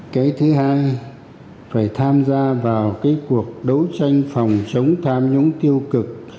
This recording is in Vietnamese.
cái thứ hai phải tham gia vào cái cuộc đấu tranh phòng chống tham nhũng tiêu cực